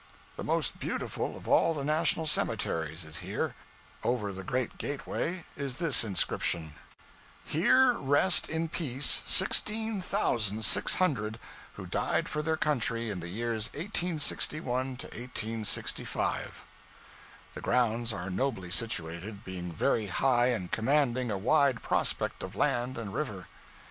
The most beautiful of all the national cemeteries is here. Over the great gateway is this inscription: "HERE REST IN PEACE 16,600 WHO DIED FOR THEIR COUNTRY IN THE YEARS 1861 TO 1865." The grounds are nobly situated; being very high and commanding a wide prospect of land and river.